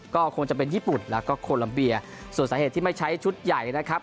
ก็คงจะเป็นญี่ปุ่นแล้วก็โคลัมเบียส่วนสาเหตุที่ไม่ใช้ชุดใหญ่นะครับ